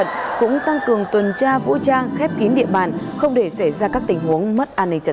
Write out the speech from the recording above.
các địa bàn cũng tăng cường tuần tra vũ trang khép kín địa bàn không để xảy ra các tình huống mất an ninh trả tự